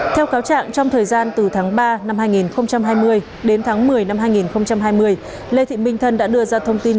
theo cáo trạng trong thời gian từ tháng ba năm hai nghìn hai mươi đến tháng một mươi năm hai nghìn hai mươi lê thị minh thân đã đưa ra thông tin